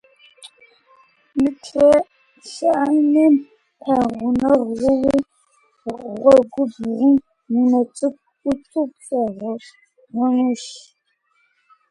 Мы чэщанэм пэгъунэгъуу гъуэгубгъум унэ цӀыкӀу Ӏуту плагъунущ.